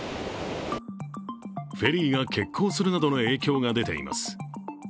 フェリーが欠航するなどの影響が出ています。